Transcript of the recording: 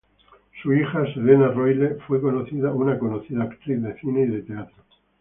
Su hija, Selena Royle, fue una conocida actriz de cine y de teatro.